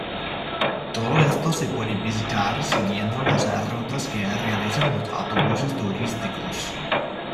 Todo esto se puede visitar siguiendo las rutas que realizan los autobuses turísticos.